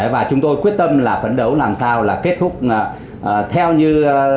và chúng tôi quyết tâm là phấn đấu làm sao là kết thúc theo như